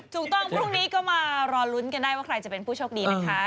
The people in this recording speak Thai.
พรุ่งนี้ก็มารอลุ้นกันได้ว่าใครจะเป็นผู้โชคดีนะคะ